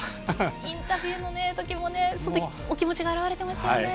インタビューのときもお気持ちが表れてましたよね。